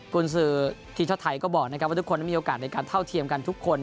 คุณสื่อทีมชาติไทยก็บอกนะครับว่าทุกคนนั้นมีโอกาสในการเท่าเทียมกันทุกคน